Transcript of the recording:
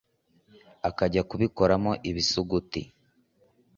akajya kubikoramo ibisuguti